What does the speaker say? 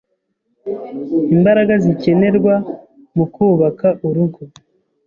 imbaraga zikenerwa mu kubaka urugo